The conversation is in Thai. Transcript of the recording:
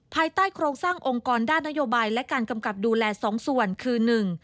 ภายใต้โครงสร้างองค์กรด้านนโยบายและการกำกับดูแลสองส่วนคือหนึ่ง